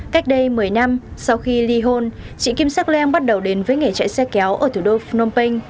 cách đây một mươi năm sau khi ly hôn chị kim sa len bắt đầu đến với nghề chạy xe kéo ở thủ đô phnom penh